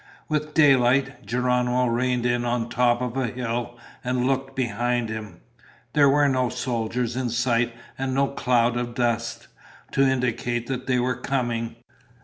With daylight, Geronimo reined in on top of a hill and looked behind him. There were no soldiers in sight and no cloud of dust, to indicate that any were coming.